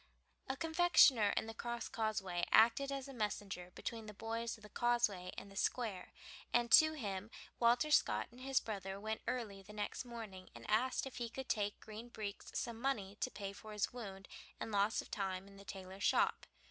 A confectioner in the Crosscauseway acted as messenger between the boys of the Causeway and the Square, and to him Walter Scott and his brother went early the next morning and asked if he would take Green Breeks some money to pay for his wound and loss of time in the tailor's shop.